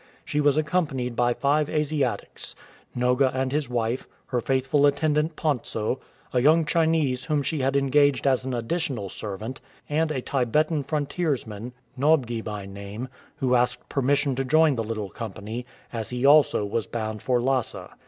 She was accompanied by five Asiatics — Noga and his wife, her faithful attendant Pontso, a young Chinese whom she had ensasred as an additional servant, and a Tibetan frontiers man, Nobgey by name, who asked permission to join the little company, as he also was bound for Lhasa.